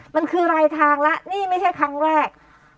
มันคือรายทางแล้วนี่ไม่ใช่ครั้งแรก